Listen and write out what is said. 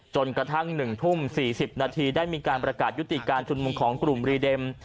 จนกระทั่ง๑ทุ่ม๔๐นาทีได้มีการประกาศยุติการชุมนุมของกลุ่มรีเด็ม